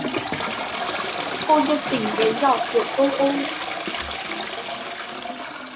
Cô nhân tình bé của tôi ơi!